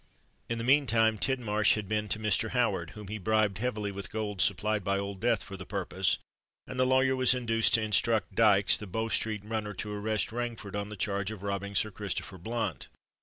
In the meantime, Tidmarsh had been to Mr. Howard, whom he bribed heavily with gold supplied by Old Death for the purpose; and the lawyer was induced to instruct Dykes, the Bow Street runner to arrest Rainford on the charge of robbing Sir Christopher Blunt.